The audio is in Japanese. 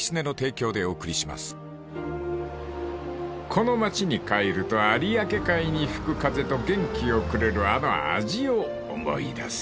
［この町に帰ると有明海に吹く風と元気をくれるあの味を思い出す］